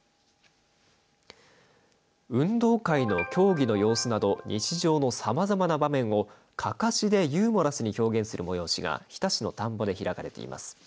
運動会の競技の様子など日常のさまざまな場面をかかしでユーモラスに表現する催しが日田市の田んぼで開かれています。